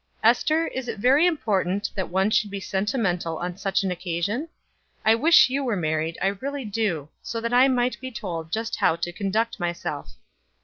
"Ester, is it very important that one should be sentimental on such an occasion? I wish you were married, I really do, so that I might be told just how to conduct my self.